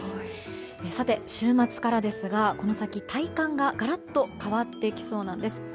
さて、週末からですがこの先、体感がガラッと変わってきそうなんです。